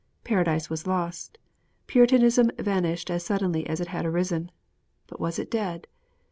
Paradise was lost. Puritanism vanished as suddenly as it had arisen. But was it dead?